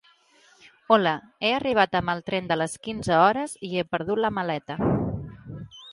Hola, he arribat amb el tren de les quinze hores i he perdut la maleta.